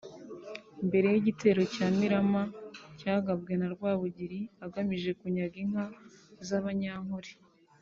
Mbere y’igitero cya Mirama cyagabwe na Rwabugili agamije kunyaga inka z’abanyankole